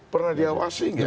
pernah diawasi gak